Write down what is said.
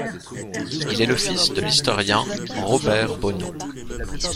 Il est le fils de l'historien Robert Bonnaud.